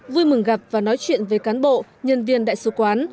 vui mừng gặp và nói chuyện với cán bộ nhân viên đại sứ quán